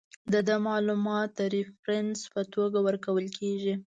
د ده معلومات د ریفرنس په توګه ورکول کیږي.